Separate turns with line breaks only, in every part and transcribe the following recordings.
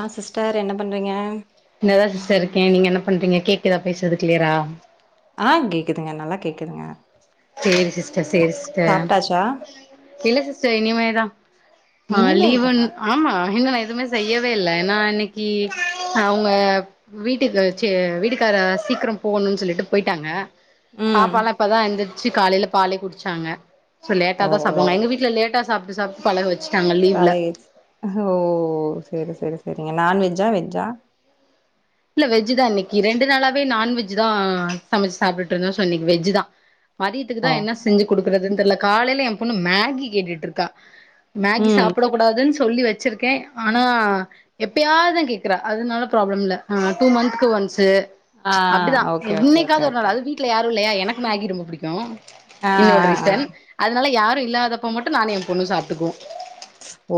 ஆ sister என்ன பண்றீங்க
இங்க தான் சிஸ்டர் இருக்கேன் நீங்க என்ன பண்றீங்க கேக்குதா பேசுறது கிளியரா
ஆ கேக்குதுங்க நல்லா கேக்குதுங்க
சேரி சிஸ்டர் சேரி சிஸ்டர்
சாப்ட்டாச்சா
இல்ல சிஸ்டர் இனிமேதா ஆ
இனிமேல்
லீவுன்
தானா
ஆமா இன்னும் நா எதுவுமே செய்யவே இல்லே நா இன்னக்கி அவங்க வீட்டுக்கு சீ வீட்டுக்கார சீக்கிரம் போகணும் சொல்லிட்டு போய்ட்டாங்க
ம்
பாப்பாலா இப்பதான் எந்தி எந்திருச்சு காலேல பால குடிச்சாங்க லேட்டா
ஓ
தான் சாப்டுபுவாங்க எங்க வீட்ல லேட்டா சாப் சாப்ட் பழக
காலை ஓ சேரி சேரி சரிங்க நான்வெஜ்ஜா வெஜ்ஜா
இல்ல வெஜ் தான் இன்னைக்கி ரெண்டு நாளாவே நான்வெஜ் தான் சமச்சு சாப்டுட்டுருந்தோம் சோ இன்னைக்கி வெஜ் தான் மதியத்துக்குதா
ஓ
என்ன செஞ்சு கொடுக்க பண்றதுன் தெர்ல காலைல எம் பொண்ணு மேகி கேட்டுட்ருக்கா மேகி
ம்
சாப்பிட கூடாதுன் சொல்லி வெச்சிருக்கே ஆனா எப்பயாதா கேக்குறா அதுனால ப்ராப்ளம் இல்ல ஆ டூ மந்த்துக் ஒன்ஸு
ஆ
அப்டிதா
ஓகே ஓகே ஓகே
என்னிக்காது ஒரு நாள்
ஓகே
அது வீட்ல யாரு இல்லையா எனக்கு மேகி ரொம்ப
ஆ
புடிக்கு
ஆ ஆ
நூடுல்ஸ்ன் அதுனால யார் ரு இல்லாதப்ப மட்டு நானு எம்பொண்ணு சாப்ட்டுக்குவோ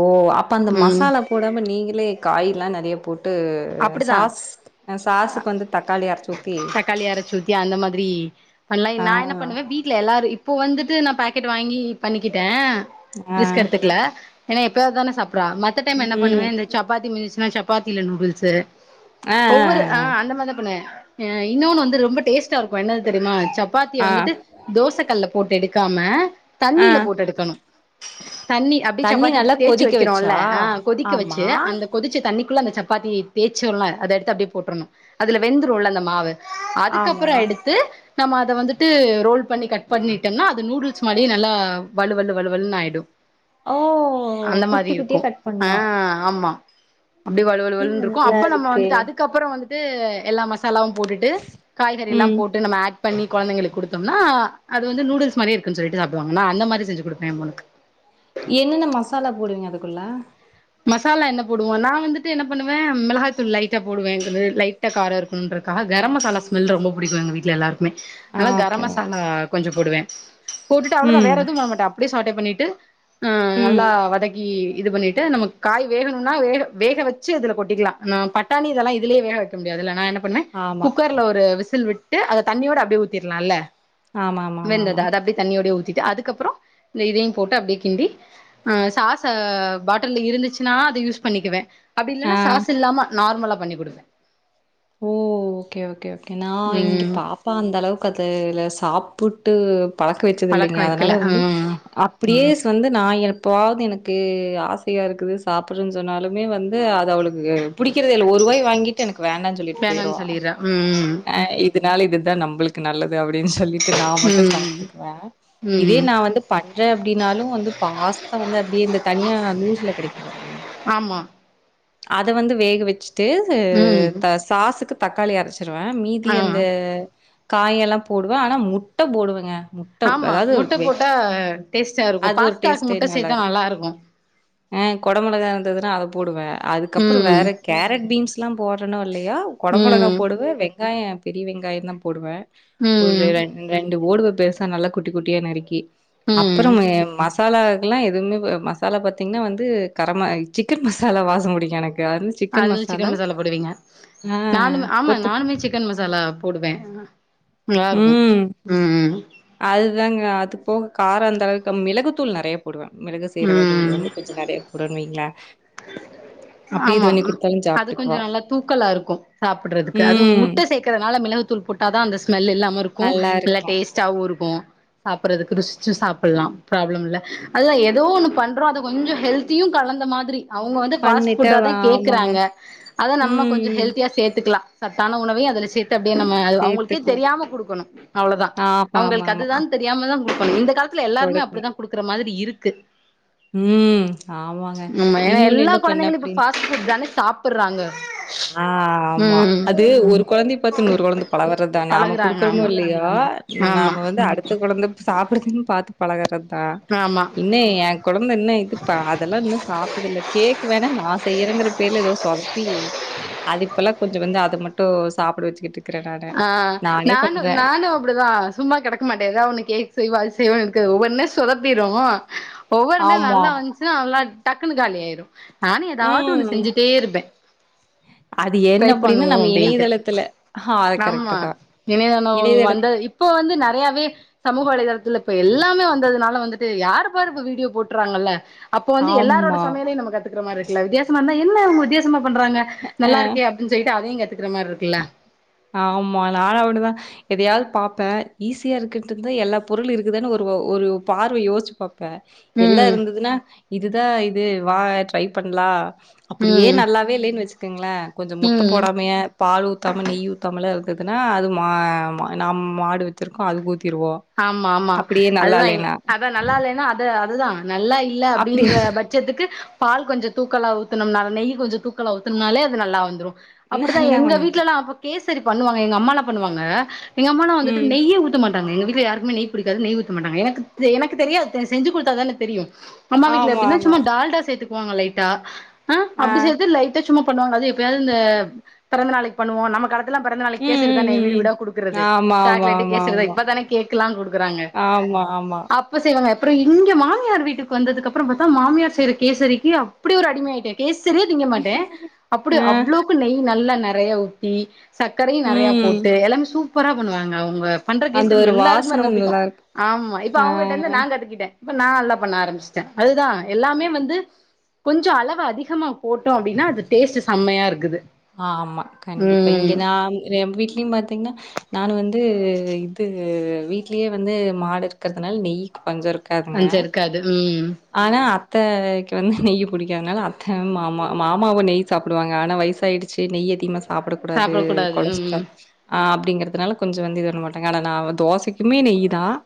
ஓ அப்ப அந்த
ம்
மசாலா போடாம நீங்களே காய்லா நெறைய போட்
அப்டிதா
சாஸுக்கு வந்து தக்காளி அரச்சு ஊத்தி
தக்காளி அரச்சூத்தி அந்த மாத்ரி பண்லா
ஆ
நா என்ன பண்ணுவ வீட்ல எல்லாரு பூ வந்துட்டு நா பேக்கெட் வாங்கி பண்ணிக்கிட்டே
ஆ
ரிஸ்க் எடுத்துக்கல ஏன ப்யு அதானே சாப் க மத்த டைம் என்ன பண்ணுவே
ம்
இந்த சப்பாத்தி மிந்துச்சுனா சப் பாத்தில நூடுல் சே
ஆ
ஒவ்வொரு அ
ஆ
அந்த மார்தா பண்ணுவே அ இன்னோனு வந்து ரொம்ப டேஸ்டா இருக்கு என்னது தெரிமா சப்பாத்திய
ஆ
வந்துட்டு தோச கல்ல போட்டு எடுத் கம
ஆ ஆ
தண்ணில போட்டு எடுக்கணும் தண்ணி அப்டி
தண்ணி
சப்பாத்தி
நல்லா
தேச்சு
கொதிக்க வச்சா
வக்கிறோல்ல அ கொதிக்க
ஆமா
வச்சு அந்த கொதிச்ச தண்ணிக் குள்ள அந்த சப்பாத்தி தேச்சோல்ல அத எடுத்து அப்டியே போட்றணு அதுல வெந்துருள அந்த மாவு
ஆமா
அதுக்கப்புற எடுத்து நம்ம அத வந்துட்டு ரோல் பண்ணி கட் பண்ணிட்டோனா அது நூடுல்ஸ் மாரியே நல்லா வலுவலு வலுவலுன்னு ஆயிடும்.
ஓ குட்டி குட்டியா கட்
ஆ
பண்ணும்.
ஆமா அப்டி வலு வலு வலுனு அப்ப நம்ம
இருக்கே
வந்துட்டு அதுக்கு அப்புறம் வந்துட் து எல்லாமா சலாவும் போட்டுட்டு காய்கறிலாம்
ம்
போட்டு நம்ம ஆட் பண்ணி குழந்தைங்களுக்கு கொடுத்தம்னா அது வந்து நூடுல்ஸ் மாரியே இருக்குன்னு சொல்லிட்டு சாப்புடுவாங்கா நா அந்த மாரி செஞ்சு கொடுப்பேன் என் பொண்ணுக்கு
என்னென்ன மசாலா போடுவீங்க அதுக்குள்ள
மசாலா என்ன போடுவோம் நான் வந்துட்டு என்ன பண்ணுவே மிளகாய் தூள் லைட்டா போடுவேன் லைட்டா காரம் இருக்கணுன்றுக்காஹ கரம் மசாலா ஸ்மெல் ரொம்ப புடிக்கும் எங்கள் வீட்ல எல்லாருக்கும்
ஆ
ஆனா கரம்
ஓகே
மசாலா கொஞ்சம் போடுவேன் போட்டு அவ்ளோதா வேற
ம்
எதுவு பண்ணமாட்டே அப்படியே சாட்டே பண்ணிட்டு ம் நல்லா வதக்கி இது பண்ணிட்டு நமக்கு காய் வேகணும்னா வேக வேக வெச்சு இதுல கொட்டிக்கலா பட்டானி இதெல்லா இதுலயே வேக வைக்க முடியாதுல்ல நா என்ன பண்ணே
ஆமா
குக்கர்ல ஒரு விசில் விட்டு ட்டு அதை தண்ணியோட அப்டியே ஊத்திட்லால்ல
ஆமா ஆமா ஆமா ஆமா
வெந்ததா அத அப்டியே தண்ணியோடையே ஊத்தி யா அதுக்கப்பறோ இந்த இதையு போட்டு அப்டியே கிண்டி சாசே பாட்ல இருந்துச் ச்சுனா அத யூஸ் பண்ணிக்குவே அப்டி இல்லன்னா
ஆ
சாஸ் இல்லாம நார்மலா பண்ணி குடுப்பே
ஓ ஓகே ஓகே ஓகே நா இங்க
ம்
பாப்பா அந்த அளவுக்கு அதுல சாப்புட்டு பழக்க வெச்சது
பழக்க
இல்லைங்க அதனால
வைக்கல
வந்து
ம்
அப்டியேஸ் வந்து நா எப்பாவது எனக்கு ஆசையா இருக்குது சாப்பறேனு சொன்னாலுமே வந்து அவளுக்கு பிடிக்கறேதே இல்ல ஒருவாய் வாங்கிட்டு எனக்கு வேண்டானு
வேண்டானு சொல்லிரா உம் உம்
இதனால இதுதா நம்மளுக்கு நல்லது அதே அப்டினு சொல்லிட்டு நா மட்டு
ம்
சாப்டுக்குவே இதே
ம்
நா வந்து பட்ரே அப்டின்னாலு வந்து பாஸ்தா வந்து அப்படியே இந்த தனியா லூஸ் [unintelligible]
ஆமா
அத வந்து வேக வெச்சு தேது
ம்
த சாஸுக்கு தக்காளி அரச் துருவ மீதி
ஆ
அந்த காயெல்லா போடுவ ஆனா முட்ட போடுவங்க முட்ட
ஆமா
அதாது
முட்ட போட்டா டேஸ்ட்டா இருக்கு
அது ஒரு
பாஸ்தாக்கு
டேஸ்டே
முட்ட சேத்தா
நல்லாருக்கு
நல்லா இருக்கு
ஆ கொட மொளகா இருந்ததுனா அத போடுவ அதுக்கப்பற
ம்
வேற கேரட் பீன்ஸ் எல்லா போடறணோ இல்லையோ கொடமொளகா
ம்
போ வெங்காய பெரிய வெங்காயந்தா போடுவ ஒரு
ம்
ரெண் ரெண் இந்த ஓடுவ பெருசா நல்ல குட்டி குட்டியா நறுக்கி அப்பற
ம்
ஏ மசா லாக்லா எதுமே வ மசாலா பாத்திங்னா வந்து கரம் ம சிக்கன் மசாலா வாசம் புடிக்கு எனக்கு
அதுல சிக்கன் மசாலா போடுவிங்க
ஆ
நானுமு ஆமாங்
கொத்து
நானுமே சிக்கன் மசாலா போடுவே ஆ
ம் அதுதாங்க அது போக கார அந்தளக்கு மிளகு தூள் நெறையா போடுவ மிளகு
ம்
சீரகதூள்
ம்
வந்து கொஞ்ச நெறய போடன் வைங்ளே அப்டி இது
ஆமா
பண்ணி
ம்
குடுத்தாலு
அது கொஞ்சோ
சாப்ட்டுக்குவா
நல்லா தூக்கலா இருக்கு
ம்
தூள் போட்டா தா அந்துஸ் ஸ்மெல் இல்லாம இருக்கு
நல்லா
நல்ல
இருக்கும்
டேஸ்ட்டாவு இருக்கு சாப்புற்றதுக்கு ருஸ்ச்சு சாப் புல்லா ப்ராப்ளம்ல் இல்ல அதுதா எத் எதோ ஒன்னு பண்றோ அது கொஞ்சோ ஹெல்த்தியுங் கலந்த மாத்ரி அவ்ங்க வந்து ஃபாஸ்ட்
பண்ணிட்டு
ஃபுட்டாதா
ஆமாங்க
கேக்குறாங்க அத நம்ம
ம்
கொஞ்ச
ம்
ஹெல்தியா சேத்துக்லா சத்தான உணவயு அதுல சேத் துட் அப்டியே நம்ம அதுவ் அவுங்குளுக்கே
சேத்துக்கல
தெரியாம குடுக்கொணு அவ்ளோதா
ஆமா ஆமா
அவ்ங்களுக்கு
ஆமா
அதுதான் தெரியாமதா பண் இந்த கால் எல்லாருமே
கொடுக்கணும்
அப்டிதா குடுக்குற மாதுரி இருக்
ம் ஆமாங்க
ஆமா ஏன்னா
இன்னொன்னு என்ன பண்ண அப்டின்
புற்றாங்க
அது ஒரு கொழந்தய பாத்து இன்னோரு கொழந்த பழவற்த்தா நாம
பழகுறாங்க
குடுக்கறமோ
ஆமா
இல்லயோ
ஆமா
நாம வந்து அடுத்த கொழந்த சாப்புடுதுன் பாத்து பழகறத் த
ஆமா
இன்னு ஏ கொழந்த இன்னு இதுப்ப அதெல்லா இன்னு சாப்ட்டுதில்ல கேக் வேணா நா செய்யறங்கற பேர்ல எதோ சொதப்பி அது இப்பெல்லா கொஞ்ச வந்து அத மட்டு சாப்ட வச்சிக்கிட்டு
ஆஹ் நானு நானு அப்டிதா சும்மா கெடக்க மாட்டே எதா ஒன்னு கேக் செய்வோ அது செய்வோ க்கு ஒவ்வொன்னு சொதப்பிரு ஒவ்வொருன்ன
ஆமா
நல்லா வந்ச்சுனா நல்லாக் டக்குனு காலி ஆய்ரு நானு எதாவ்து ஒன்னு
ம்
செஞ்சிட்டே இருப்பே
அது
ட்ரை
என்ன அப்டின்னா நம்ம இணையதளத்துல ஹா
ஆம்மா இனைதனோ வந்த இப்போ வந்து நறையாவே சமூக வலைதளத்துல இப்ப எல்லா வந்ததுனால வந்துட்டு யாரு பாரு இப்ப வீடியோ போட்டுறாங்கல்ல அப்ப வந்து எல்லாரோட
ஆமா
சமையலையு நம்ம கத்துக் மாரி இருக்குல வித்தியசமாருந்தா என்ன இவுங்க வித்தியாசமா பண்றாங்க
அ
நல்லாருக்கே அப்டின் சொல்ட்டு அதையு கத்து ற மாரிருக்குல்ல
ஆமா நானு அப்டிதா எதையாது பாப்பே ஈஸியாருக்கன்ட்டுந்தா எல்லா பொருளு இருக்குதான் ஒரு ஒரு பார்வ யோசிச்சு பாப்பே ப்ப எல்லா
ம்
இருந்ததுன்னா இதுதா இது இது வா ட்ரை பண்லா அப்டியே
ம்
நல்லாவே இல்லனு வச்சுக்குங்கள கொஞ்ச முட்ட
ம்
போடாமயே பால் தாமன நெய் [unintelligible] ருக்குதுனா அது மா நம் மாடு வச்சிருக்கோ அது
ஆமா ஆமா அதுதா அதா நல்லா இல்லைனா அது அதுதா நல்லா இல்ல
அப்படியா
அப்டின்ற பட்சத்துக்கு பால் கொஞ்ச தூக்கலா ஊத்தணும்னா நெய் கொஞ்ச தூக்கலா ஊத்தணனாலே அது நல்லா வந்துரு அப்டிதா
நல்லா
எங்க
வந்துச்சு.
வீட்லலா அப்ப கேஸ் சரி பண்ணுவாங்க எங்க அம்மா என்ன பண்ணுவாங்க எங்க அம்மானா வந்துட்டு
ம்.
நெய்யே ஊத்த மாட்டாங்க டாங்க எங்க வீட் [unintelligible] யாருக்குமே நெய் புடிக்காது நெய் ஊத்த மாட்டாங்க எனக் எனக்கு தெரியாது செஞ்சு குடுத்தா தானே தெரியு அம்மா வீ்ட்ல
ஆமா,
எப்டினா
ஆமா.
சும்மா டால்டா சேத்து வாங்க லைட்டா ஆ அப்டி சேத்து லைட்டா சும்மா பண்ணுவாங்க அது எப்யாவது இந்த பெறந்த நாளைக்கு பண்ணுவோ நம்ம காலத்து பலா பெறந்த நாளைக்கு
ம்,
கேசரி
ம்,
தானே
ம்,
வீடு
ம்.
வீடா குடுக்குறது
ஆமா, ஆமா,
சாக்லேட்டு
ஆமா,
கேசரிதா
ஆமா.
இப்ப தானே கேக் குடுக்குறாங்க
ஆமா, ஆமா.
அப்ப சே ய்வாங்க அப்ற இங்க மாமியார் வீட்டுக்கு வந்ததுக்கு அப்ற பாத்தா மாமியார் செய்யுற கேசரிக்கு அப்டி ஒரு அடிமையாயிட்டே கேசரி செரியா திங்க மாட்டே அப்டி
ஆ.
அவ்ளோக்கு நெய் நல்லா நறைய ஊத்தி சக்கரையு நெறையா
ம்.
போட்டு எல்லாமே சூப் சூப்பரா பண்ணுவாங்க அவுங்க பண்ற
அந்த
கேசரி
ஒரு
எல்லாருக்கு
வாசனை
ரொம்ப பிடிக்கு
நல்லாருக்கு.
ஆமா இப்ப
ஆ.
அவுங்கட்டந்து நா கத்துக்கிட்டே இப்ப நா நல்லா பண்ண ஆரம்பிச்சிட்டே அதுதா எல்லாமே வந்து கொஞ்சம் அளவு அதிகமாக போட்டோ அப்டினா அது டேஸ்ட்டு செம்மயாருக்குது
ஆமா கண்டிப்பா இங்க நா ரெம் வீட்ல பாத்தீங்ன்னா நான் வந்து இது வீட்லயே வந்து மாடு இருக்கறதுனால நெய்க்கு பஞ்ச இருக்
பஞ்ச இருக்காது உம்
த்தய்க்கு வந்து நெய்யு புடிக்காதனால அத்தை மாமா மாமாவு நெய் சாப்புடுவாங்க ஆனா வயசு சாயிடுச்சி நெய்யதிகமா சாப்ட சாப்டக்கூடாது கொலஸ்ட்ரால் ஆஹ் அப்டிங்கறதுனால கொஞ்ச வந்து இது ஒன்னு மாட்டாங்க நா அவ தோசைக்குமே நெய் தான்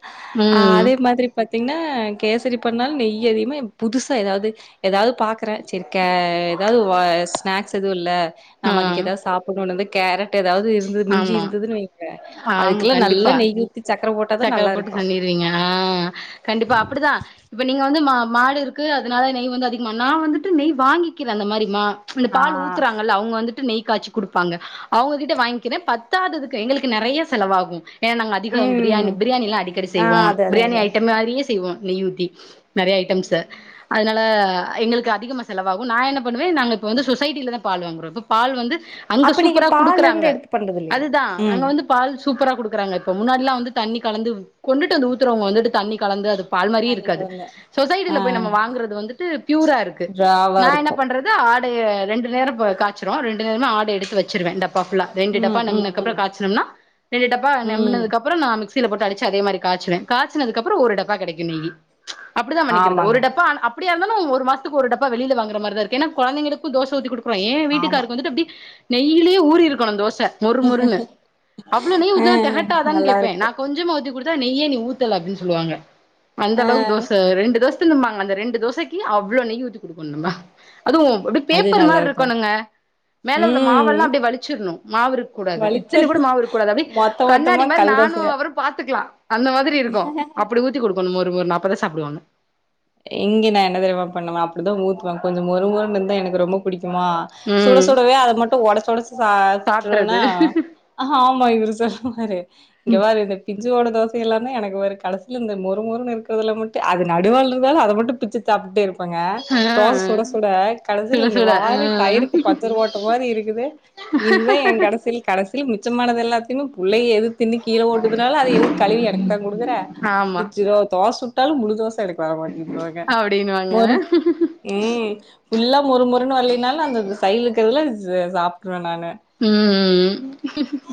ஆஹ்
ம்
அதே மாதிரி பாத்தீங்கன்னா கேசரிப் பண்ணாலு நெய்யி அதிகமா எ புதுசா ஏதாவது ஏதாவது பாக்குறே செரிக் ஏதாவது வ ஸ்நாக்ஸ் எதுவு இல்ல
ஆ
நம்ம அதுக்கு ஏதாது சாப்புட்ணுன்னாவே கேரட் ஏதாவது இருந்தது மிஞ்சி
ஆமா
இருந்ததுன்னு வைங்க
ஆமா
அதுக்கெல்லா நல்லா
கண்டிப்பா
நெய் ஊத்தி சக்கர போட்டாதா
சக்கர
நல்லா
போட்டு
இருக்கு
பண்ணிருவீங்க ஆஹ் கண்டிப்பா அப்பிடிதா இப்ப நீங்க வந்து மா மாடு இருக்கு அதுனால நெய் வந்து அதிகமா நா வந்துட்டு நெய் வாங்கிக்கிறே அந்த மாரி மா இந்த
ஆ
பால் ஊத்துராங்கல்ல அவுங்க வந்துட்டு நெய் காச்சி குடுப்பாங்க அவங்ககிட்ட வாங் கினு பத்தாததுக்கு எங்களுக்கு நெறைய செலவாகும் ஏன்னா நாங்க அதிகம்
ம்
பிரியாணி பிரியாணியெல்லாம் அடிக்கடி
ஆ
செய்வோம்
அது அது
பிரியாணி
அது
ஐட்டம் மாரியே செய்வோ நெய்யூத்தி நெறைய ஐட்டம்ஸ்சு
ம்
அதுனால ல எங்களுக்கு அதிகமா செலவாகு நா என்ன பண்ணுவே நாங்க இப்ப வந்து சொசைட்டிலதா பால் வாங்குறோம் இப்போ பால் வந்து அங்க
அப்ப நீங்க
சூப்பரா
பால்லருந்து
குடுக்குறாங்க
எடுத்து பண்
அதுதா நாங்க வந்து பால் சூ ப்பரா குடுக்குறாங்க இப்போ முன்னாடியெல்லாம் வந்து தண்ணி கலந்து கொண்டுட்டு வந்து ஊத்துறவங்க வந்துட்டு தண்ணி கலந்து அது பால் மாரியே
தண்ணி
இருக்காது
கொழந்த ஆ
சொசைட்டில போய் நம்ம வாங்குறது வந்து து ப்யூரா இருக்கு
ட்ராவா
நா என்ன
இருக்கு
பண்றது ஆ ரெண்டு நேரம் காச்சிருவோ ரெண்டு நேரமு ஆடய எடுத்து வச்சுருவே டப் பா ஃபுல்லா ரெண்டு டப் பா
ம் ம்
நெம்னக்கப்றம்
ம்
காச்சுனம்னா ரெண்டு டப்பா
ம்
நெம்புனதுக்கப்புறம் நா மிக்ஸ் சிலபோட்டு அடிச்சி அதே மாரி காச்சுவே காச்சுனதுக்கப்புறம் ஒருடப்பா கெடைக்கும் நெய்யி அப்டிதான் பன்னிக்கிறது
ஆமாங்க
ஒரு டப்பா ஆனா அப்டியா இருந்தாலு இன்னும் ஒரு மாசத்துக்கு ஒரு டப்பா வெளில வாங்கற மாரிதா இருக்கு ஏன்னா கொழந்தைங்களுக்கு தோச ஊத்தி குடுக் அப்புற ஏ
ஆமா
வீட்டுக்காருக்கு வந்துட்டு அப்டி நெய்யிலயே ஊறி இருக்கனு தோச மொறு மொறுனு அவ்ளோ நெய்
ஆ
ஊத்துனா தெகட்டாதான்
நல்லா
கேப்பே நா
இருக்கு
கொஞ்சமா ஊத்தி குடு த்தா நெய்யே நீ ஊத்தல அப்டின் சொல்லுவாங்க
ஆ
அந்தளவுக்கு தோச ரெண்டு தோச தா திம்பாங்க அந்த ரெண்டு தோசைக்கு அவ்ளோ நெய் ஊத்தி குடுக்கணு நம்ப அதுவு அப்டி
அது
பேப்பர்
நல்லா
மார்
இருக்கு
இருக்கணுங்க மேல உள்ள மாவெல்லா
ம்
அப்டே வலிச்சர்ணு மாவிருக் கூடாது இத்தினி கூட
வலிச்சது
மாவு இருக்க கூடாது அப்டே
மொத்த
கண்ணாடி
மொத்தமா
மாரி
கல்
நானு
தோசையா
அவரு பாத்துக்கலா அந்த மாதிரி இருக்கு அப்படி ஊத்தி குடுக்கணு மொறு மொறுனு அப்பதா சாப்டுவாங்க
இங்கே நா என்ன தெரிமா பண்ணுவ அப்டிதா ஊத்துவ கொஞ்ச மொறு மொறுனு இருந்தா எனக்கு ரொம்ப புடிக் குமா சுட
ம்
சுடவே அத மட்டு ஒடச்சு ஒடச்சு
சாப்ட்றது
சாப்ட்ருவனா ஆ ஆமா இவுரு சொல்லுவாரு இங்க பாரு இந்த பிஞ்சு போன தோச எல்லாமே எனக்கு வரு கடசில இந்த மொறு மொறுனு இருக்குறதெலா மட்டு அது நடுவால இரு ல அத மட்டு பிச்சி சாப்பிட்டே இரு ப்பங்க
ஆ
தோச சுட சுட கடசில
சுட
இங்க
சுட ஆ
வாரு டயருக்கு பஞ்சர் ஓட்ட மாரி இருக்குது இதுதா எங் கடசில கடைசில மி சும்மானது எல்லாத் தின்னு புள்ளைய எது தின்னு கீழ போட்டுதுனாலு அத எடுத் கழுவி எனக்குத்தா குடுக்குற
ஆமா
பிச்சிரு தோஸ் சுட் தாலு முழு தோச எனக் வர் இதுவோக
அப்டின்னுவாங்க
மொறும் ம் ஃபுல்லாப் மொறு மொறுன் வர்ல்லின்னாலு அந்த சைலுக்குறதுல சே சாப்ட்ருவ நானு
ம் ம் ம்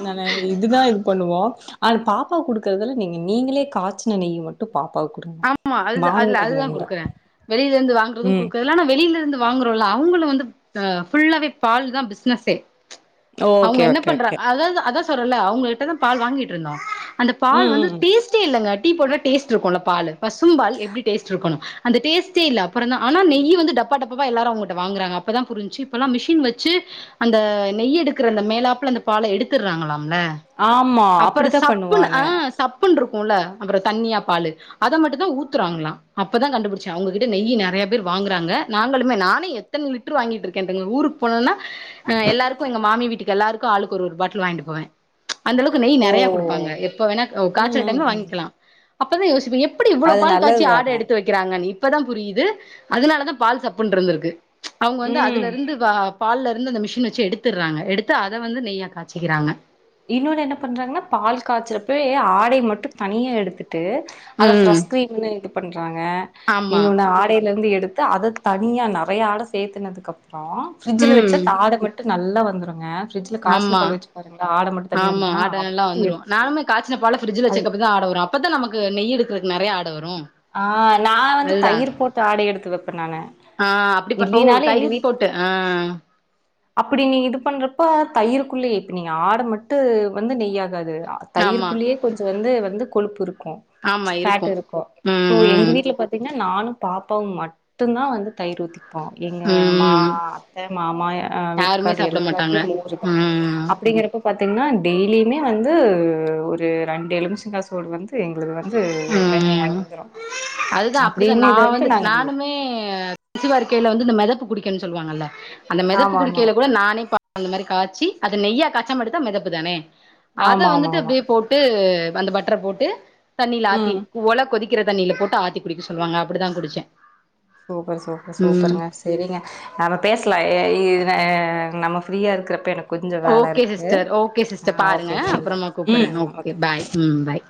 நானு இதுதா இது பண்ணுவோ அது பாப்பாக் குடுக்கற்துல நீங்க நீங்களே காய்ச்சின நெய் மட்டு பாப்பாவுக்கு குடுங்க
ஆமா அதுதா அதுல
வாங்குனது
அதுதா
வேண்டா
குடுக்கற வெளியில இருந்து வாங்கறது
ம்
குடுக்குறதுல்ல ஆனா வெளியில இருந்து வாங்குறோ இல்ல அவ்ங்களு வந்து அ ஃபுல்லாவே பால் தா பிஸ்னஸே
ஓகே
அவ்ங்க என்ன
ஓகே ஓகே
பண்றாங்க அதாதா அதா சூரல்ல அவுங்ககிட்டதா பால் வாங்கிட்ருந்தோ அந்த பால்
ம்
வந்து
ம்
டீஸ்ட்டே இல்லங்க டீ போட்ற டேஸ்ட் இருக்குல்ல பாலு பசும்பால் எப்டி டேஸ்ட்ருக்கணு அந்த டேஸ்ட்டே இல்ல அப்புறந்தா ஆனா நெய்யு வந்து டப்பா டப்பா எல்லாரு அவ்ங்கட்ட வாங்குறாங்க அப்பதா புரிஞ்சு அப்பல்லா மிஷின் வச்சு அந்த நெய் எடுக்குற அந்த மேலாப்ல அந்த பால எடுத்துற்றாங்களா அல
ஆமா
அப்பற
அப்டித்தா
சப்புனு
பண்ணுவாங்க
அ சப் அப்பு இருக்கும்ல அப்புறம் தண்ணியா பாலு அத மட்டும் தான் ஊத்துறாங்களலாம் அப்பதான் கண்டுபிடிச்சா அவங்ககிட்ட நெய் நிறையா பேர் வாங்குறாங்க நாங்களுமே நானே எத்தனை லிட்டர் வாங்கிட்டு இருக்கேன்ங்க ஊருக்கு போனம்னா அஹ் எல்லாருக்கும் எங்க மாமி வீட்டுக்கு எல்லாருக்கும் ஆளுக்கு ஒரு பாட்டில் வாங்கிட்டு போவேன் அந்த அளவுக்கு நெய்
ஓ
நிறைய குடுப்பாங்க எப்ப வேணா
ம்
காய்ச்சல்
ம்
டைம்ல
ம்
வாங்கிக்கலாம் அப்பதான்யோசிங்க எப்படி இவ்ளவு
அது
பால் காட்சி ஆட
நல்லதுதாங்க
எடுத்து வக்கிறாங்க நீ இப்பதான் புரியுது அதனாலதான் பால் சப்புன்ருந்திருக்கு அவுங்க வந்து
ம்
அதுல இருந்து பால்ல இருந்து அந்த மிஷின் வச்சு எடுத்துடுறாங்க எடுத்து அதை வந்து‌நெய்யா காசிக்கிறாங்க
இன்னொன்னு என்ன பண்றாங்கன்னா பால் காய்ச்சறப்பயே ஆடை மட்டும் தனியா எடுத்துக்க டு அத
ம்
ஃப்ரெஷ் கிரீம்னு இது பன்றாங்க
ஆமா
இன்னொனு ஆடையேருந்து எடு எடுத்து அத தனியா நறைய ஆட சேர்த்துனதுக்கு அப்புறம் அப்புறம் ஃப்ரிட்ஜல வச்சு
ம்
[unintelligible] மட்டும் நல்லா வந்துருங்க பிரிட்ஜில காசுன
ஆமா
பாவ வச்சு பாருங்க
ஆமா ஆட நல்ல வந்துரும் நானுே காய்சின பால பிரிட்ஜில
அதுல
வெச்சதுக்கப்பதான் ஆட வரும் அப்பதான் நமக்கு நெய் எடுக்கிறதுக்கு நிறைய ஆட வரு
ஆஹ் நான் வந்து
அதுதா
தயிர் போட்டு ஆடை எடுத்து வைப்பேன் நான
ஆ அப்டி ப ஓ
இல்லினாலும் எங்க
தயிர்
வீட்
போட்டு ஆ
அப்படி நீ இது பண்றப்ப தயிருக்குள்ளயே இப்ப நீ ஆடை மட்டும் வந்து நெய்யாகாது
ஆமா
தயிருகுள்ளேயே கொஞ்சம் வந்து வந்து கொழுப்பு இருக்கும்
ஆமா இருக்கு
ஃபேட் இருக்கும் சோ
ம்
எங்க
ம்
வீட்டுல பாத்தீங்கன்னா நானும் பா பாப்பாவும் மட்டும்தான் வந்து தயிர் ஊத்தி ப்போ எங்க மா
ம்
அத்தை மாமா
யாருமே
வீட்டுக்கார்
சாப்ட மாட்டாங்க
எல்லாருமே மோரு தான்
ம்
அப்படிங்கறப்ப பார்த்தீங்கன்னா டெய்லியுமே வந்து ஒரு ரெண்டு எலுமிஷங்க சோடு வந்து வ எங்களுக்கு வந்து வெண்ணெ வந்துடும்
அதுதான் அப்படிதான் நான் வந்து நானுமே [unintelligible] வந்து இந்த மெத குடிக்கன்னு சொல்லுவாங்கல்ல அந்த மிதப்பு
ஆமா ஆமா
குடிக்கையில கூட நானே அந்த மாரி காச்சி அத நெய்ய காச்சசாம எடுத்தா மிதப்பு தானே அத
ஆமா ஆமா
வந்துட்டு
ஆமா
அப்டியே போட்டு அந்த பட்டர போட்டு தண்ணி லாத்தி
ம்
ஒல கொதிக்க குடிக்கிற தண்ணில போட்டு ஆத்தி குடிக்க சொல்லுவாங்க அப்டிதான் குடுச்சேன்
சூப்பர் சூப்பர் சூப்பருங்க சரிங்க நாம பேசலாம் ஏ ஏ ஏ நம்ம ஃப்ரீயா இருக்கறப்ப எனக்
ஓகே சிஸ்டர் ஓகே சிஸ்டர் பாருங்க
ஓகேங்க பாய்
அப்பறமா
ம்
கூப்பற்றேன் ஓகே பாய் உம் பாய்